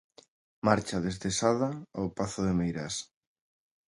Marcha desde Sada ao Pazo de Meirás.